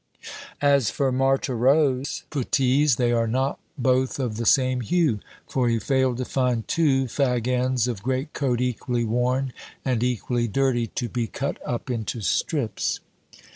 As for Marthereau's puttees, they are not both of the same hue, for he failed to find two fag ends of greatcoat equally worn and equally dirty, to be cut up into strips.